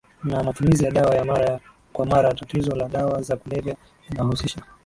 na matumizi ya dawa ya mara kwa mara Tatizo la dawa za kulevya linahusisha